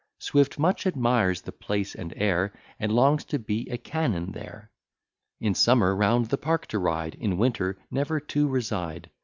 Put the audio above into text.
Swift much admires the place and air, And longs to be a Canon there; In summer round the Park to ride, In winter never to reside.